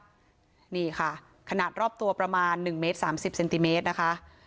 นี่ค่ะขนาดรอบตัวประมาณ๑เมตร๓๐เซนติเมตรนะคะ